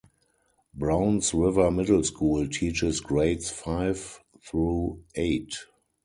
Browns River Middle School teaches grades five through eight.